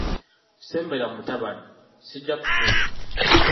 Ssembera, mutabani, sijja kukulya.